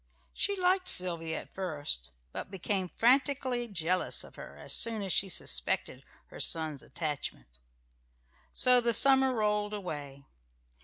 She liked Sylvia at first, but became frantically jealous of her as soon as she suspected her son's attachment. So the summer rolled away.